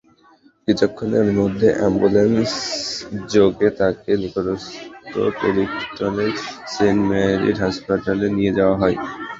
কিছুক্ষণের মধ্যে অ্যাম্বুলেন্সযোগে তাঁকে নিকটস্থ পেডিংটনের সেন্ট মেরিস হাসপাতালে নিয়ে যাওয়া হয়।